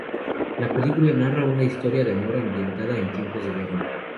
La película narra una historia de amor ambientada en tiempos de guerra.